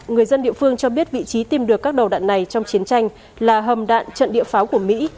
người dân địa phương cho biết vị trí tìm được các đầu đạn này trong chiến tranh là hầm đạn trận địa pháo của mỹ